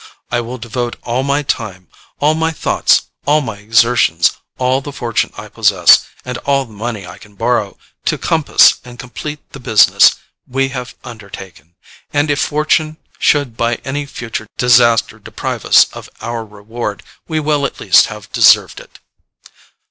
I will devote all my time, all my thoughts, all my exertions, all the fortune I possess and all the money I can borrow, to compass and complete the business we have undertaken; and if fortune should by any future disaster deprive us of our reward, we will at least have deserved it."